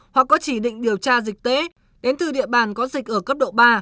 hoặc có chỉ định điều tra dịch tễ đến từ địa bàn có dịch ở cấp độ ba